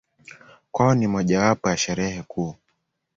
Kwao ni mojawapo ya Sherehe kuu.